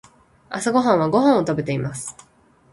朝ごはんはご飯を食べています。